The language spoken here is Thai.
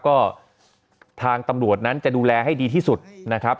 ก็ทางตำรวจนั้นจะดูแลให้ดีที่สุดนะครับ